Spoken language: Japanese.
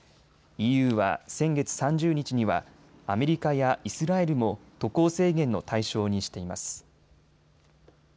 ＥＵは先月３０日にはアメリカやイスラエルも渡航制限の対象にしています。